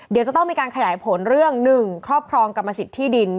เดี๋ยวจะต้องมีการขยายผลเรื่อง๑ครอบครองกรรมสิทธิดิน